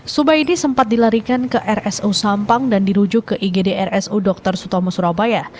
subaidi sempat dilarikan ke rsu sampang dan dirujuk ke igd rsu dr sutomo surabaya